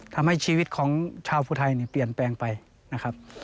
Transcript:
ทำให้ชีวิตของชาวภูไทยเปลี่ยนแปลงไปนะครับ